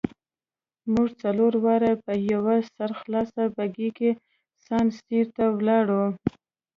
موږ څلور واړه په یوه سرخلاصه بګۍ کې سان سیرو ته ولاړو.